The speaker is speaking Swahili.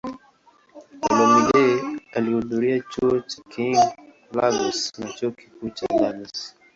Olumide alihudhuria Chuo cha King, Lagos na Chuo Kikuu cha Lagos.